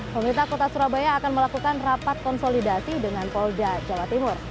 pemerintah kota surabaya akan melakukan rapat konsolidasi dengan polda jawa timur